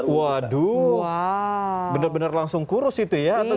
waduh benar benar langsung kurus itu ya